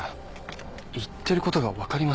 言ってることが分かりません。